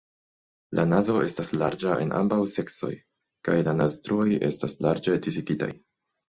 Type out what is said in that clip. La nazo estas larĝa en ambaŭ seksoj kaj la naztruoj estas larĝe disigitaj.